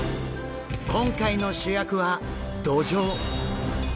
今回の主役はドジョウ！